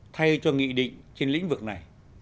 thay cho nghị định trên lĩnh vực này